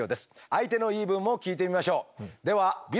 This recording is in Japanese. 相手の言い分も聞いてみましょう。